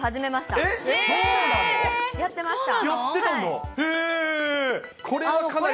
やってました。